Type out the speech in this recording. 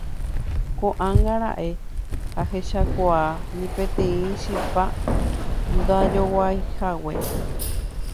ko'ág̃a raẽ ahechakuaa ni peteĩ chipa ndajoguaihague